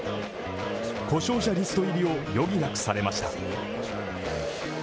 故障者リスト入りを余儀なくされました。